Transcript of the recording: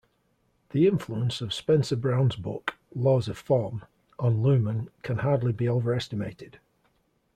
The influence of Spencer-Brown's book, "Laws of Form", on Luhmann can hardly be overestimated.